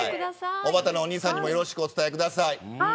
おばたのお兄さんにもよろしくお伝えください。